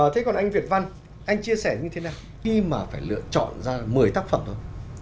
thế còn anh việt văn anh chia sẻ như thế nào khi mà phải lựa chọn ra một mươi tác phẩm thôi